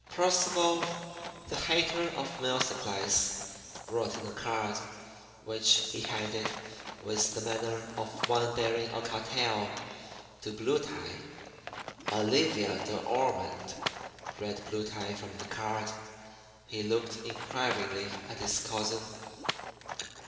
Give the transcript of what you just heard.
Percival, the hater of mill supplies, brought in a card, which he handed, with the manner of one bearing a cartel, to Blue Tie. "Olivia De Ormond," read Blue Tie from the card. He looked inquiringly at his cousin.